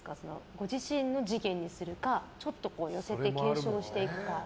ご自身を次元にするかちょっと寄せて継承していくか。